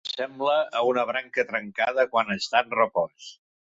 S'assembla a una branca trencada quan està en repòs.